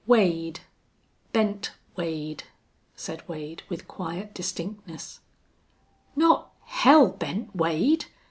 "Wade Bent Wade," said Wade, with quiet distinctness. "_Not Hell Bent Wade!